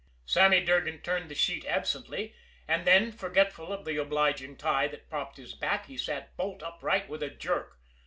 Sammy Durgan turned the sheet absently and then, forgetful of the obliging tie that propped his back, he sat bolt upright with a jerk.